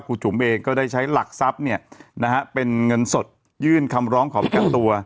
จุ๋มเองก็ได้ใช้หลักทรัพย์เนี่ยนะฮะเป็นเงินสดยื่นคำร้องขอประกันตัว